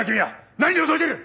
何のぞいてる！？